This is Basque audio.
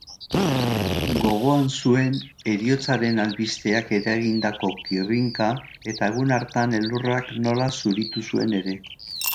Gogoan zuen heriotzaren albisteak eragindako kirrinka eta egun hartan elurrak nola zuritu zuen ere